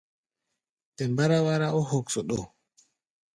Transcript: Tɛ mbáráwárá ɔ́ hoksoɗo.